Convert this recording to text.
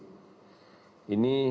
bahwa covid sembilan belas adalah pandemi